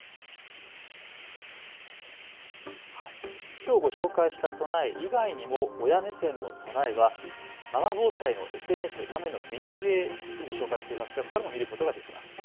きょうご紹介した備え以外にも親目線の備えはママ防災のＳＮＳ、画面右上の紹介していますがここからも見ることができます。